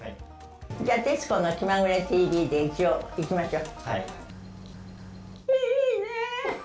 じゃあ「徹子の気まぐれＴＶ」でいきましょう。